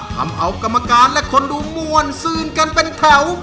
ทำเอากรรมการและคนดูมวลซืนกันเป็นแถว